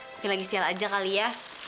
mungkin lagi sial aja kali ya